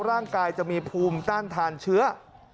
ร่างกายจะมีภูมิต้านทานเชื้อ